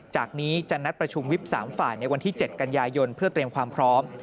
จากนี้จะนัดประชุมวิบ๓ฝ่ายในวันที่๗กันยายนเพื่อเตรียมความพร้อม